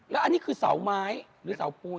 แล้วอันนี้คือเสาไม้หรือเสาปูน